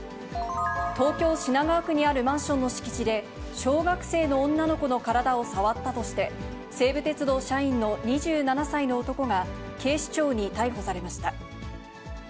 東京・品川区にあるマンションの敷地で、小学生の女の子の体を触ったとして、西武鉄道社員の２７歳の男が、警視庁に逮捕されました。